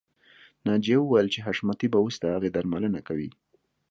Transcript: ناجیه وویل چې حشمتي به اوس د هغې درملنه کوي